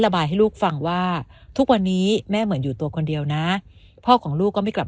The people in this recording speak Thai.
ให้ลูกฟังว่าทุกวันนี้แม่เหมือนอยู่ตัวคนเดียวนะพ่อของลูกก็ไม่กลับ